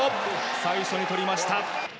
最初に取りました。